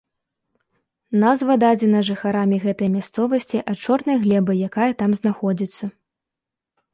Назва дадзена жыхарамі гэтай мясцовасці ад чорнай глебы, якая там знаходзіцца.